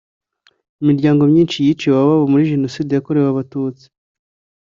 Imiryango myinshi yiciwe ababo muri Jenoside yakorewe Abatutsi